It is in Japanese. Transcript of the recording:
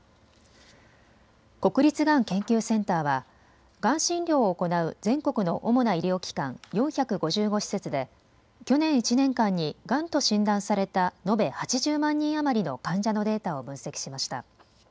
国立がん研究センターはがん診療を行う全国の主な医療機関４５５施設で去年１年間にがんと診断された延べ８０万人余りの患者のデータを分析しました。